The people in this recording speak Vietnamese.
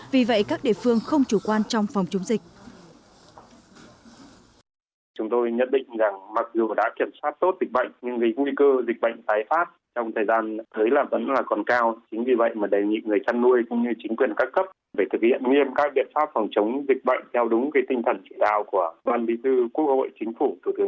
vì vậy các địa phương không chủ quan trong phòng chống dịch